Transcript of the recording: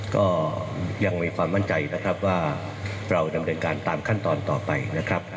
ก็ยังมีความมั่นใจนะครับว่าเราดำเนินการตามขั้นตอนต่อไปนะครับ